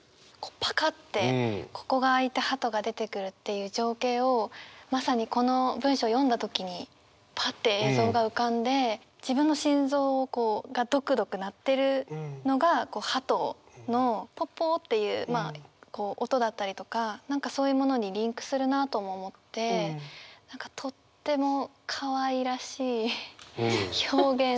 パカッてここが開いてハトが出てくるっていう情景をまさにこの文章を読んだ時にパッて映像が浮かんで自分の心臓がドクドク鳴ってるのがハトの「ポッポ」っていうまあ音だったりとか何かそういうものにリンクするなとも思ってとってもかわいらしい表現。